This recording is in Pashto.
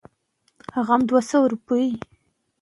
هوا سړه وي، عضلې ورو او چټک حرکتونه اغېزمن کوي.